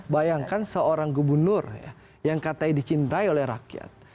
bayangkan seorang gubernur yang katanya dicintai oleh rakyat